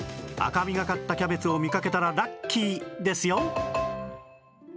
赤みがかったキャベツを見かけたらラッキーですよ